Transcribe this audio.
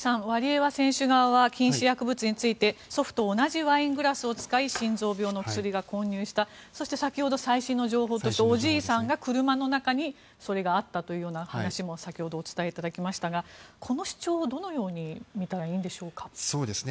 ワリエワ選手側は禁止薬物について祖父と同じワイングラスを使い心臓病の薬が混入した、そして先ほど最新の情報としておじいさんが車の中にそれがあったというような話も先ほどお伝えいただきましたがこの主張はどのように見たらいいんでしょうか。